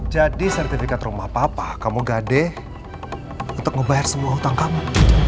jadi sertifikat rumah papa kamu gade untuk ngebayar semua hutang kamu